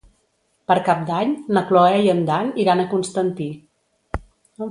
Per Cap d'Any na Cloè i en Dan iran a Constantí.